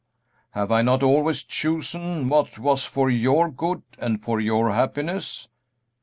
"Have I not always chosen what was for your good and for your happiness?"